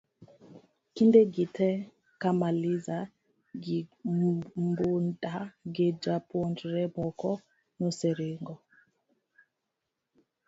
kinde gi te Kamaliza gi Mbunda gi jopuonjre moko noseringo